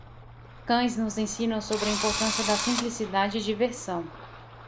Cães nos ensinam sobre a importância da simplicidade e diversão.